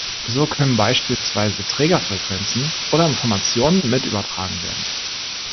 So können beispielsweise Trägerfrequenzen oder Informationen mit übertragen werden.